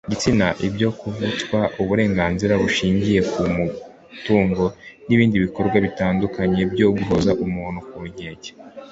gitsina ibyo kuvutswa uburenganzira bushingiye ku mutungo n ibindi bikorwa bitandukanye byo guhoza umuntu ku nkeke